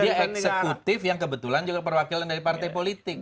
dia eksekutif yang kebetulan juga perwakilan dari partai politik